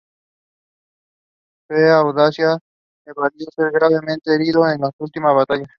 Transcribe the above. Su audacia le valió ser gravemente herido en esta última batalla.